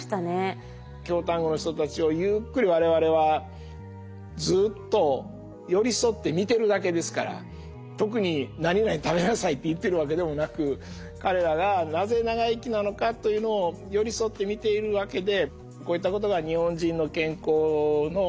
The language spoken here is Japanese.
京丹後の人たちをゆっくり我々はずっと寄り添って見てるだけですから特に「なになに食べなさい」って言ってるわけでもなく彼らがなぜ長生きなのかというのを寄り添って見ているわけで。